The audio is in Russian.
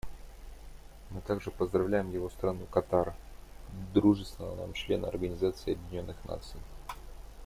Мы также поздравляем его страну, Катар, дружественного нам члена Организации Объединенных Наций.